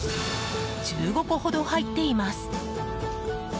１５個ほど入っています。